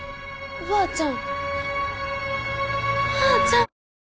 おばあちゃん！